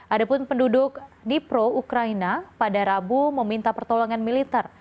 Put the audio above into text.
adapun penduduk dipro ukraina pada rabu meminta pertolongan militer